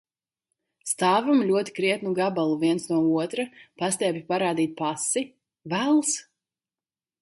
Stāvam ļoti krietnu gabalu viens no otra, pastiepju parādīt pasi. Vells!